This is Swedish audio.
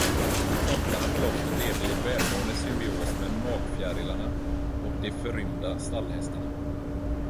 Tomtarna på loftet levde i välmående symbios med magfjärilarna och de förrymda stallhästarna.